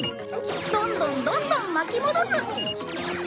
どんどんどんどん巻き戻す。